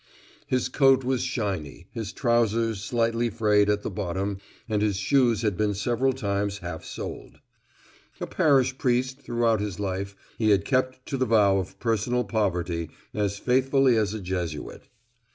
His coat was shiny, his trousers slightly frayed at the bottom, and his shoes had been several times half soled. A parish priest, throughout his life he had kept to the vow of personal poverty as faithfully as a Jesuit.